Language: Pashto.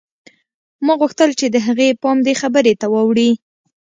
ما غوښتل چې د هغې پام دې خبرې ته واوړي